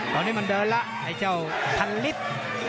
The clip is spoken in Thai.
ตอนนี้มันเดินแล้วไอ้เจ้าพันลิตร